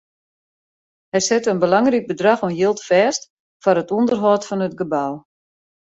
Hy sette in belangryk bedrach oan jild fêst foar it ûnderhâld fan it gebou.